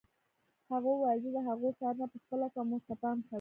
هغه وویل زه د هغو څارنه پخپله کوم او ورته پام کوم.